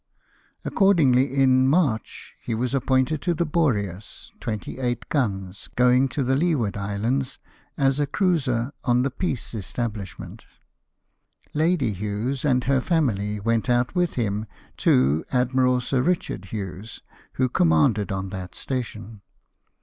Accordingly, in March, he was appointed to the Boreas, 28 guns, going to the Leeward Islands, as a cruiser, on the peace establishment. Lady Hughes and her family went out with him to Admiral Sir Kichard Hughes, who commanded on that station.